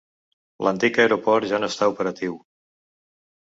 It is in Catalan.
L'antic aeroport ja no està operatiu.